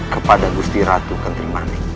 kepada gusti ratu kentrimani